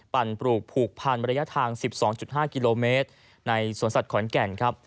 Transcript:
ปลูกผูกพันระยะทาง๑๒๕กิโลเมตรในสวนสัตว์ขอนแก่นครับ